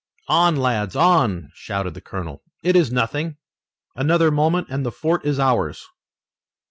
"On, lads, on!" shouted the colonel. "It is nothing! Another moment and the fort is ours!"